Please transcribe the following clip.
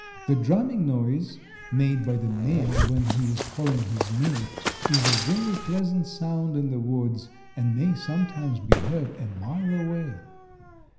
The drumming noise made by the male when he is calling his mate is a very pleasant sound in the woods and may sometimes be heard a mile away.